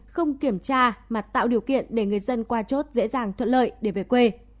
không kiểm tra mà tạo điều kiện để người dân qua chốt dễ dàng thuận lợi để về quê